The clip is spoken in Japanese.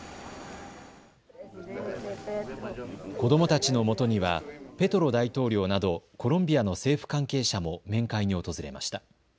子どもたちのもとにはペトロ大統領などコロンビアの政府関係者も面会に訪れました。